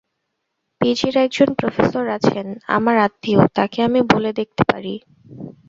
পিজির একজন প্রফেসর আছেন, আমার আত্মীয়, তাঁকে আমি বলে দেখতে পারি।